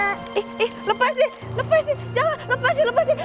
eh eh lepas deh lepas jangan lepasin lepasin